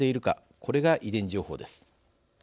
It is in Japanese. これが遺伝情報です。